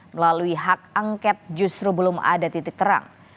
melalui hak angket justru belum ada titik terang